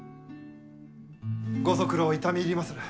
ご足労痛み入りまする。